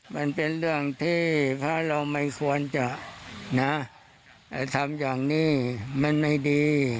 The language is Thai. มันเป็นเรื่องที่พระเราไม่ควรจะนะทำอย่างนี้มันไม่ดี